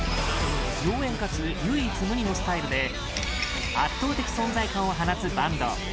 妖艶かつ唯一無二のスタイルで圧倒的存在感を放つバンド